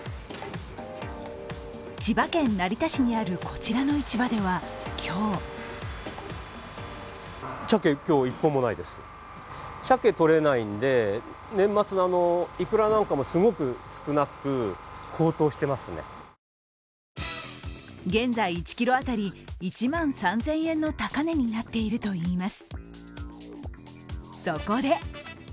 千葉県成田市にある、こちらの市場では今日現在１ｋｇ当たり１万３０００円の高値になっているといいます。